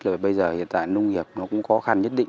rồi bây giờ hiện tại nông nghiệp nó cũng khó khăn nhất định